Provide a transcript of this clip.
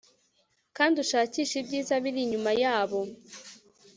Kandi ushakishe ibyiza biri inyuma yabo